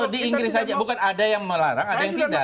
di inggris saja bukan ada yang melarang ada yang tidak